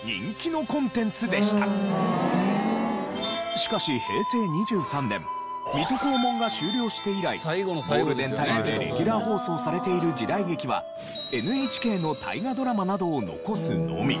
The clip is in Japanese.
しかし平成２３年『水戸黄門』が終了して以来ゴールデンタイムでレギュラー放送されている時代劇はＮＨＫの大河ドラマなどを残すのみ。